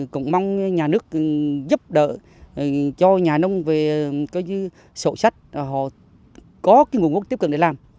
cũng mong nhà nước giúp đỡ cho nhà nông về cái sổ sách họ có cái nguồn gốc tiếp cận để làm